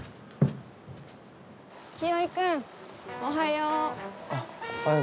清居君おはよう。